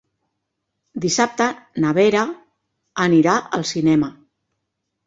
Dissabte na Vera anirà al cinema.